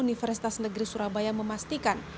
universitas negeri surabaya memastikan